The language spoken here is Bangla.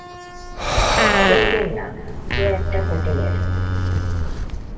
বলবেন না যে একটা হোটেলের।